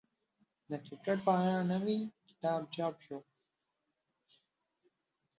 د کرکټ په اړه نوی کتاب چاپ شو.